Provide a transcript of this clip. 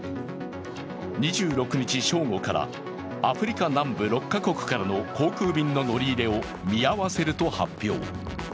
２６日正午からアフリカ南部６カ国からの航空便の乗り入れを見合わせると発表。